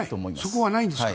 そこはないんですか。